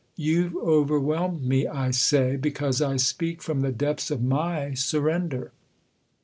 You've overwhelmed me, I say, because I speak from the depths of my surrender.